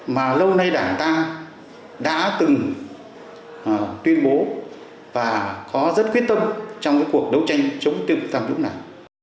mà lâu nay đảng ta đã từng tuyên bố và có rất quyết tâm trong cái cuộc đấu tranh chống tiêu tham nhũng này